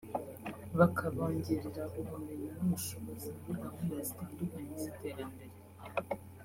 bakabongerera ubumenyi n’ubushobozi muri gahunda zitandukanye z’iterambere